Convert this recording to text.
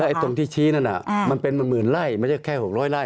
ตรงที่ชี้นั่นมันเป็นหมื่นไร่ไม่ใช่แค่๖๐๐ไร่